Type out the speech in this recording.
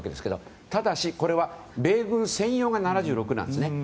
ただし、これは米軍専用が７６なんです。